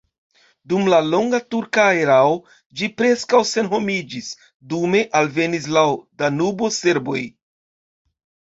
Dum la longa turka erao ĝi preskaŭ senhomiĝis, dume alvenis laŭ Danubo serboj.